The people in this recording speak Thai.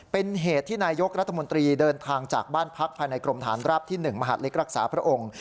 เป็นเหตุที่นายกรัฐมนตรีเดินทางจากบ้านพักภายในกรมฐานราบที่๑มหาดเล็กรักษาพระองค์